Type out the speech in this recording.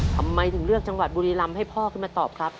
ทำไมถึงเลือกจังหวัดบุรีรำให้พ่อขึ้นมาตอบครับ